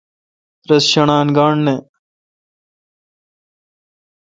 رس شݨان گانٹھ نہ۔